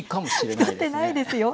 太ってないですよ。